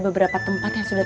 tentang tentang disebut